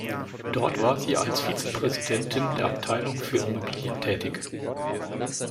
Dort war sie als Vizepräsidentin der Abteilung für Immobilien tätig.